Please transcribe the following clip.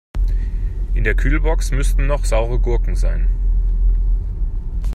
In der Kühlbox müssten noch saure Gurken sein.